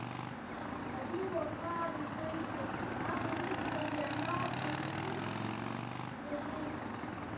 Ари Уаха аб игәеиҭеит, аб рыцҳа, уи амал анхыҵ, иагеит.